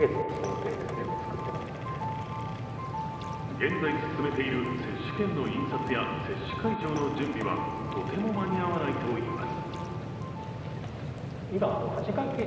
現在進めている接種券の印刷や接種会場の準備はとても間に合わないといいます。